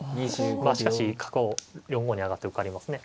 まあしかし角を４五に上がって受かりますね。